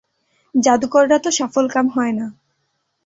জাদুকররা তো সফলকাম হয় না।